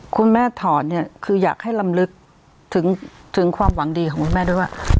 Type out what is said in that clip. คุณแม่ถอนเนี่ยคืออยากให้ลำลึกถึงความหวังดีของคุณแม่ด้วยว่า